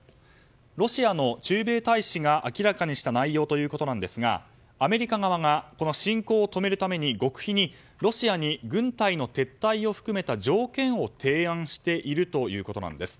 ロシアの駐米大使が明らかにした内容ということですがアメリカ側が侵攻を止めるために極秘にロシアに軍隊の撤退を含めた条件を提案しているということです。